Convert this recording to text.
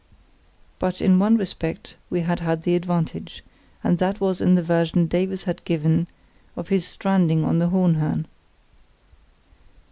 But in one respect we had had the advantage, and that was in the version Davies had given of his stranding on the Hohenhörn.